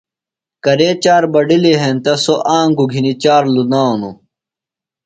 کرے چار بڈِلیۡ ہینتہ سوۡ آنگُوۡ گِھنیۡ چار لُنانوۡ۔